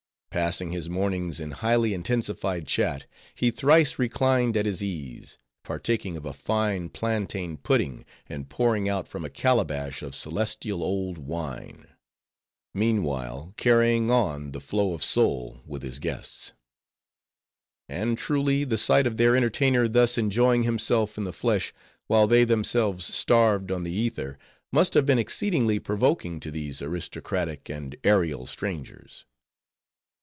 Passing his mornings in highly intensified chat, he thrice reclined at his ease; partaking of a fine plantain pudding, and pouring out from a calabash of celestial old wine; meanwhile, carrying on the flow of soul with his guests. And truly, the sight of their entertainer thus enjoying himself in the flesh, while they themselves starved on the ether, must have been exceedingly provoking to these aristocratic and aerial strangers.